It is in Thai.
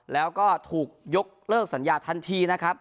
แล้วก็ถูกยกเลิกสัญญาทันทีนะครับ